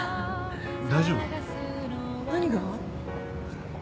大丈夫？何が？